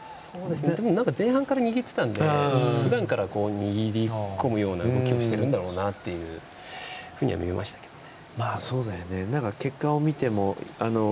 前半から握ってたのでふだんから握りこむような動きをしてるんだろうなというふうには見えましたけどね。